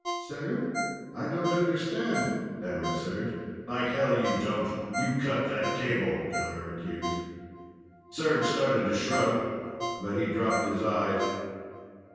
"Sir?... I don't understand," stammered Serj. "Like hell you don't. You cut that cable," Jonner accused. Serj started to shrug, but he dropped his eyes.